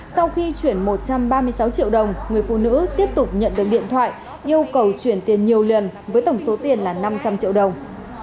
sau khi chuyển một trăm ba mươi sáu triệu đồng người phụ nữ tiếp tục nhận được điện thoại yêu cầu chuyển tiền nhiều lần với tổng số tiền là năm trăm linh triệu đồng